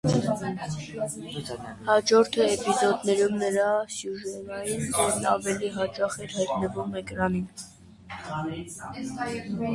Հաջորդ էպիզոդներում նրա սյուժետային դերն ավելի հաճախ էր հայտնվում էկրանին։